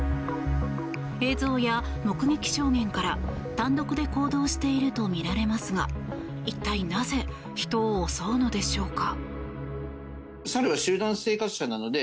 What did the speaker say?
映像や目撃証言から単独で行動しているとみられますが一体なぜ人を襲うのでしょうか。